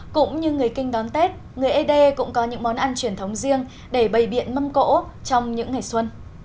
cũng như người kinh đón tết người ế đê cũng có những món ăn truyền thống riêng để bày biện mâm cỗ trong những ngày xuân